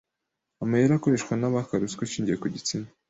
amayeri akoreshwa n’abaka ruswa ishingiye ku gitsina